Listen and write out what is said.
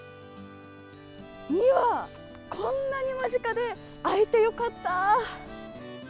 ２羽、こんなに間近で会えてよかった！